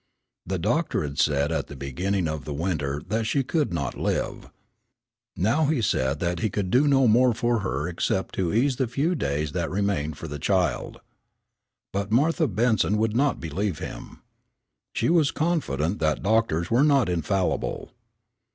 The doctor had said at the beginning of the winter that she could not live. Now he said that he could do no more for her except to ease the few days that remained for the child. But Martha Benson would not believe him. She was confident that doctors were not infallible.